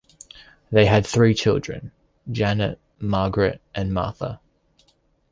They had three children, Janet, Margaret and Martha.